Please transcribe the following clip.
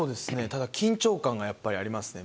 ただ緊張感がやっぱりありますね。